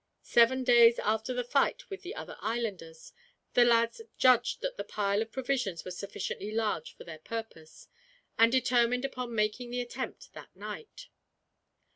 Seven days after the fight with the other islanders, the lads judged that the pile of provisions was sufficiently large for their purpose, and determined upon making the attempt that night.